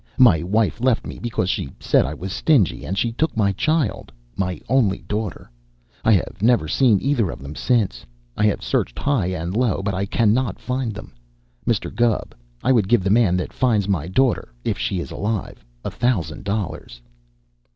My wife left me because she said I was stingy, and she took my child my only daughter. I have never seen either of them since. I have searched high and low, but I cannot find them. Mr. Gubb, I would give the man that finds my daughter if she is alive a thousand dollars."